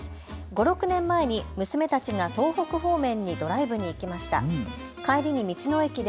５、６年前に娘たちが東北方面にドライブに行きました。